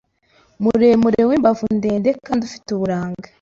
muremure w’imbavu ndende kandi ufite uburanga,